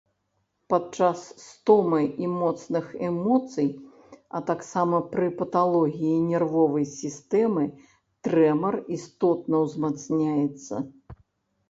Падчас стомы і моцных эмоцый, а таксама пры паталогіі нервовай сістэмы трэмар істотна ўзмацняецца.